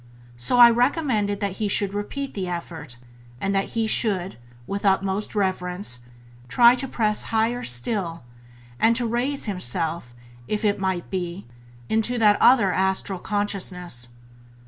So I recommended that he should repeat the effort, and that he should with utmost reverence try to press higher still, and to raise himself, if it might be, into that other August Consciousness.